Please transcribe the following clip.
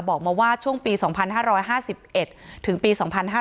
บอกมาว่าช่วงปี๒๕๕๑ถึงปี๒๕๕๙